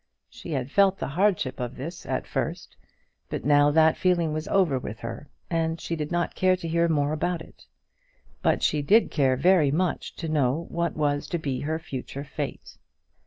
She had felt the hardship of this at first; but now that feeling was over with her, and she did not care to hear more about it. But she did care very much to know what was to be her future fate.